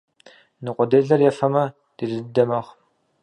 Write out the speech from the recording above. Ныкъуэделэр ефэмэ, делэ дыдэ мэхъу.